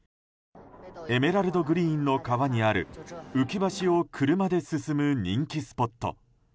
エメラルドグリーンの川にある浮き橋を車で進む人気スポット。